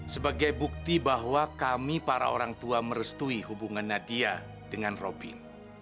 sebagai bukti bahwa kami para orang tua merestui hubungan nadia dengan robin